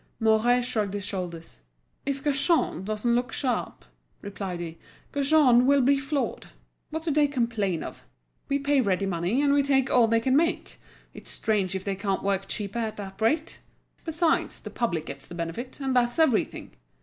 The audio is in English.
Mouret shrugged his shoulders. "If Gaujean doesn't look sharp," replied he, "Gaujean will be floored. What do they complain of? We pay ready money and we take all they can make; it's strange if they can't work cheaper at that rate. Besides, the public gets the benefit, and that's everything."